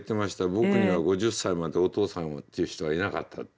「僕には５０歳までお父さんっていう人はいなかった。